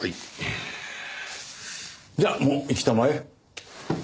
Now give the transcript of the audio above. じゃあもう行きたまえ。